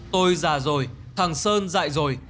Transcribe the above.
tôi già rồi thằng sơn dại rồi